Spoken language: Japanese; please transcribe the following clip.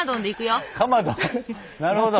なるほど。